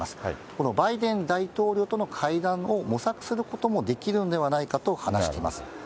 このバイデン大統領との会談を模索することもできるのではないかと話しています。